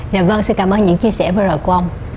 dạ vâng xin cảm ơn những chia sẻ vừa rồi của ông